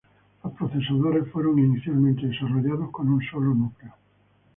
Los procesadores fueron inicialmente desarrollados con un solo núcleo.